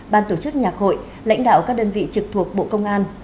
ban tổ chức nhạc hội lãnh đạo các đơn vị trực thuộc bộ công an